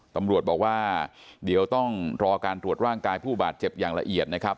ตำรวจบอกว่าเดี๋ยวต้องรอการตรวจร่างกายผู้บาดเจ็บอย่างละเอียดนะครับ